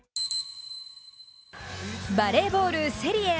バレーボール・セリエＡ。